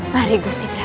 mari gusti prabu